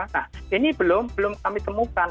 nah ini belum kami temukan